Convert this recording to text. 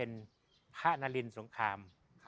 เป็นพระนารินสงคราม